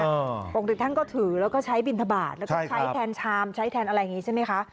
ปกติท่านก็ถือแล้วก็ใช้บินทบาทแล้วก็ใช้แทนชามใช้แทนอะไรอย่างนี้ใช่ไหมคะ